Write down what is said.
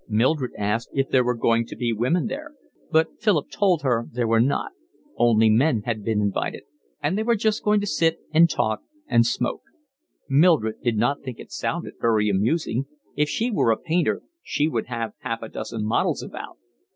Mildred asked if there were going to be women there, but Philip told her there were not; only men had been invited; and they were just going to sit and talk and smoke: Mildred did not think it sounded very amusing; if she were a painter she would have half a dozen models about.